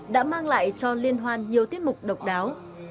đã mang lại cho liên hoan nhiều tiết mục độc đáo